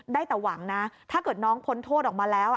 ได้แต่หวังนะถ้าเกิดน้องพ้นโทษออกมาแล้ว